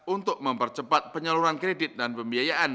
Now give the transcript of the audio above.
untuk mempercepat penyaluran kredit dan pembiayaan